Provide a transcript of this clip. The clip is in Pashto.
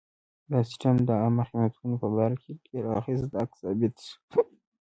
دا سیستم د عامه خدمتونو په برخه کې ډېر اغېزناک ثابت شو.